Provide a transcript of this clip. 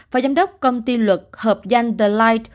và giám đốc công ty luật hợp danh the light